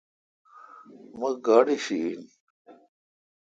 مہ گاڑی شی این۔